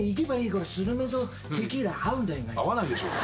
合わないでしょ。